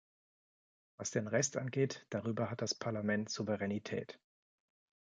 Was den Rest angeht, darüber hat das Parlament Souveränität.